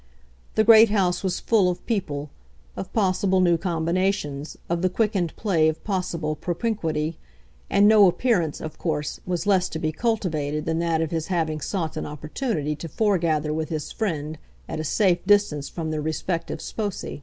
The great house was full of people, of possible new combinations, of the quickened play of possible propinquity, and no appearance, of course, was less to be cultivated than that of his having sought an opportunity to foregather with his friend at a safe distance from their respective sposi.